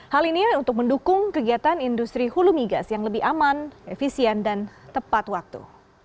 hal ini untuk mendukung kegiatan industri hulu migas yang lebih aman efisien dan tepat waktu